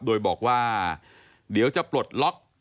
โดยบอกว่าเดี๋ยวจะปลดล็อก